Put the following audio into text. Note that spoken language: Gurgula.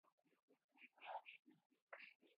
وي گھرو مي ڪونآ رهي سڪينٚ